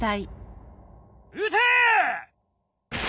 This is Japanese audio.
撃て！